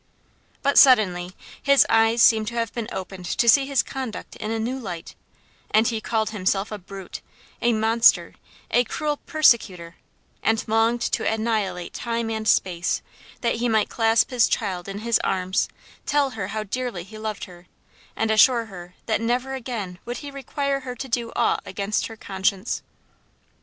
But suddenly his eyes seemed to have been opened to see his conduct in a new light, and he called himself a brute, a monster, a cruel persecutor, and longed to annihilate time and space, that he might clasp his child in his arms, tell her how dearly he loved her, and assure her that never again would he require her to do aught against her conscience.